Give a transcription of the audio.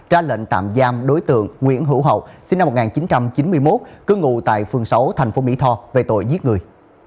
ra lệnh tạm giam đối tượng nguyễn hữu hậu sinh năm một nghìn chín trăm chín mươi một cư ngụ tại phường sáu tp mỹ tho về tội giết người